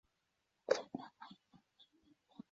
膜荚见血飞是豆科云实属的植物。